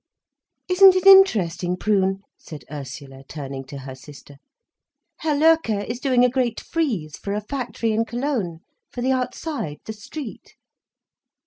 "Isn't it interesting, Prune," said Ursula, turning to her sister, "Herr Loerke is doing a great frieze for a factory in Cologne, for the outside, the street."